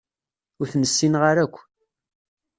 Ur ten-ssineɣ ara akk.